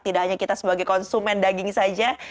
tidak hanya kita sebagai konsumen daging saja